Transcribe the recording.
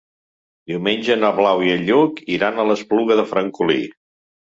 Diumenge na Blau i en Lluc iran a l'Espluga de Francolí.